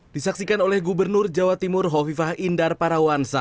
disaksikan oleh gubernur jawa timur hovifah indar parawansa